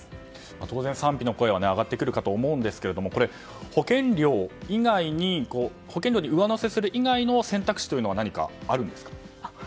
当然、賛否の声は上がってくるかとは思うんですが保険料に上乗せする以外の選択肢は何かあるんですか？